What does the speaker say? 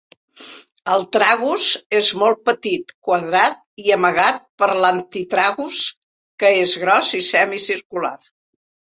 El tragus és molt petit, quadrat i amagat per l'antitragus, que és gros i semicircular.